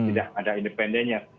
tidak ada independennya